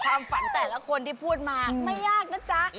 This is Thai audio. ความฝันแต่ละคนที่พูดมาไม่ยากนะจ๊ะ